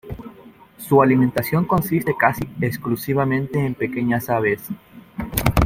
Su alimentación consiste casi exclusivamente en pequeñas aves.